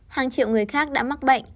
hàng triệu người khác đã mắc bệnh